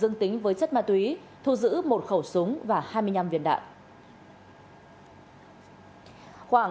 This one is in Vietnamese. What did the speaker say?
dương tính với chất ma túy thu giữ một khẩu súng và hai mươi năm viên đạn